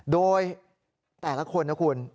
โดยแต่ละคนนะคุณ